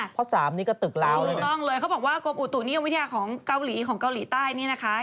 เพราะสามนี่ก็ตึกแล้วถูกต้องเลยเขาบอกว่ากรมอุตุนิยมวิทยาของเกาหลีของเกาหลีใต้นี่นะคะ